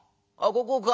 ここか。